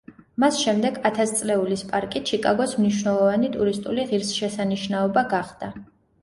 მას შემდეგ ათასწლეულის პარკი ჩიკაგოს მნიშვნელოვანი ტურისტული ღირსშესანიშნაობა გახდა.